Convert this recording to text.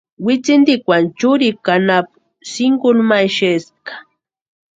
Witsintikwani churikwa anapu sinkuni ma exespka.